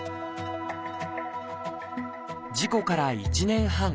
事故から１年半。